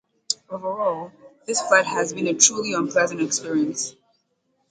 Overall, this flight has been a truly unpleasant experience.